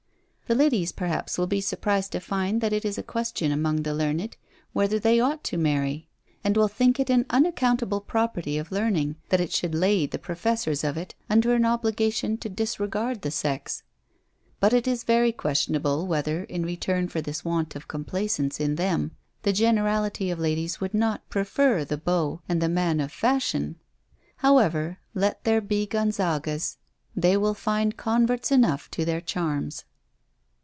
The ladies perhaps will be surprised to find that it is a question among the learned, Whether they ought to marry? and will think it an unaccountable property of learning that it should lay the professors of it under an obligation to disregard the sex. But it is very questionable whether, in return for this want of complaisance in them, the generality of ladies would not prefer the beau, and the man of fashion. However, let there be Gonzagas, they will find converts enough to their charms.